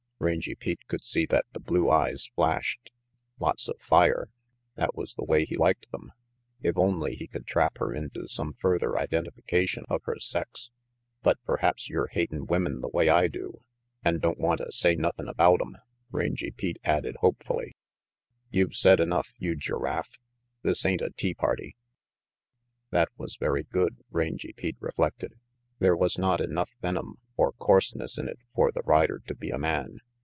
Rangy Pete could see that the blue eyes flashed. 32 RANGY PETE Lots of fire. That was the way he liked them, only he could trap her into some further identification of her sex. "But perhaps yer hatin' women the way I do, an' don't wanta say nothin' about 'em," Rangy Pete added hopefully. "You've said enough, you giraffe. This ain't a tea party." That was very good, Rangy Pete reflected. There was not enough venom or coarseness in it for the rider to be a man.